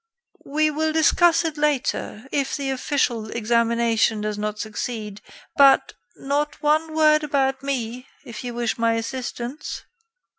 "We will discuss it later if the official examination does not succeed. But, not one word about me, if you wish my assistance."